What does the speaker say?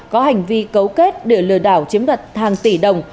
có hành vi cấu kết để lừa đảo chiếm đoạt hàng tỷ đồng